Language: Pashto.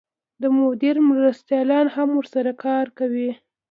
د مدیر مرستیالان هم ورسره کار کوي.